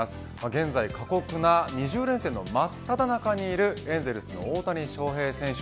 現在、過酷な２０連戦のまっただ中にいるエンゼルスの大谷翔平選手。